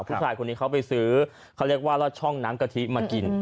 ผู้ชายคนนี้เขาไปซื้อเขาเรียกว่าลอดช่องน้ำกะทิมากิน